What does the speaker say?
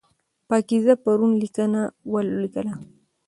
پاکیزه پرون لیکنه ولیکله.